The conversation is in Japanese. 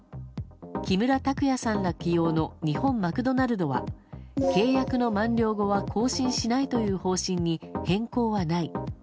木村拓哉さんら起用の日本マクドナルドは契約の満了後は更新しないという方針に変更はない。